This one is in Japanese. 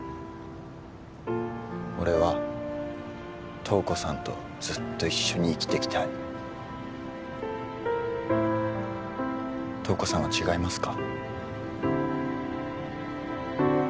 俺は瞳子さんとずっと一緒に生きていきたい瞳子さんは違いますか？